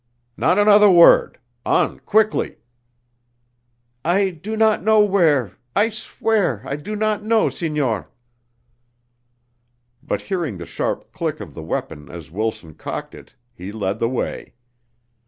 "Not another word. On, quickly!" "I do not know where, I swear I do not know, signor!" But hearing the sharp click of the weapon as Wilson cocked it, he led the way.